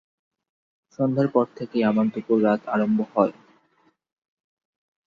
সন্ধ্যার পর থেকেই আমার দুপুর রাত আরম্ভ হয়।